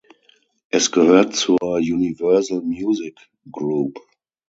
Es gehört zur Universal Music Group.